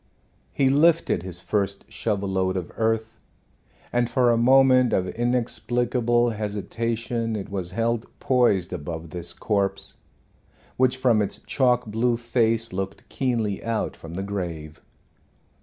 He lifted his first shovel load of earth, and for a moment of inexplicable hesitation it was held poised above this corpse, which from its chalk blue face looked keenly out from the grave.